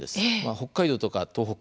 北海道とか東北